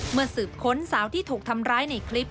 เมื่อสืบค้นสาวที่ถูกทำร้ายในคลิป